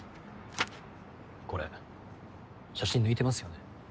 これ写真抜いてますよね？